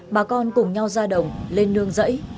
bà con cùng nhau ra đồng lên nương rẫy